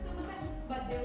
tapi akan ada peningkatan